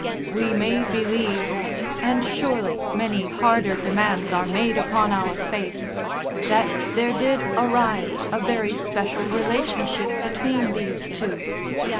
We may believe and surely many harder demands are made upon our faith that there did arise a very special relationship between these two.